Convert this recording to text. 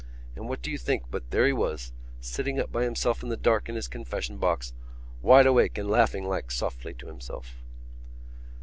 And what do you think but there he was, sitting up by himself in the dark in his confession box, wide awake and laughing like softly to himself?"